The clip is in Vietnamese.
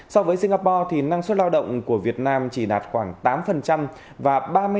so với singapore năng suất lao động của việt nam chỉ đạt khoảng tám và ba mươi năm tám mươi sáu